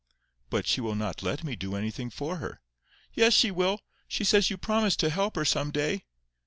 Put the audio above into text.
"But she will not let me do anything for her." "Yes, she will. She says you promised to help her some day."